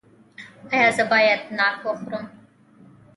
ایا زه باید ناک وخورم؟